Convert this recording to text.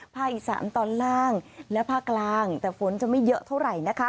ภาคอีสานตอนล่างและภาคกลางแต่ฝนจะไม่เยอะเท่าไหร่นะคะ